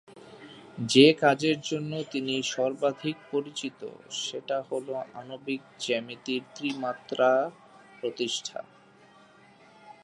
যে কাজের জন্য তিনি সর্বাধিক পরিচিত সেটা হল আণবিক জ্যামিতির ত্রি-মাত্রিকতা প্রতিষ্ঠা।